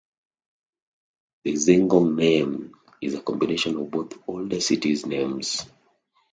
The Zigong name is a combination of both older cities names.